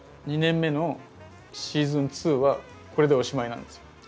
２年目のシーズン２はこれでおしまいなんですよ。